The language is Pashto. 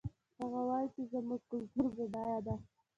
هغه وایي چې زموږ کلتور بډایه ده